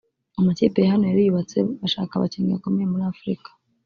Amakipe ya hano yariyubatse bashaka abakinnyi bakomeye muri Afurika